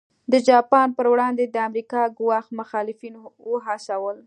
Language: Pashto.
د جاپان پر وړاندې د امریکا ګواښ مخالفین وهڅول.